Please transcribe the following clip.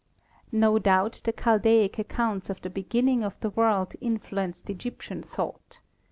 No doubt the Chaldaic accounts of the beginning of the world influenced Egyptian thought.